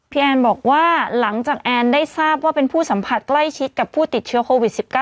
แอนบอกว่าหลังจากแอนได้ทราบว่าเป็นผู้สัมผัสใกล้ชิดกับผู้ติดเชื้อโควิด๑๙